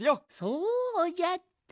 そうじゃった。